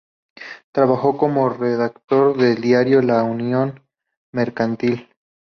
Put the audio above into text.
Trabajó como redactor de diario "La Unión Mercantil".